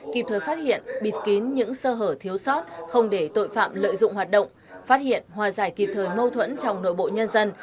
kịp thời phát hiện bịt kín những sơ hở thiếu sót không để tội phạm lợi dụng hoạt động phát hiện hòa giải kịp thời mâu thuẫn trong nội bộ nhân dân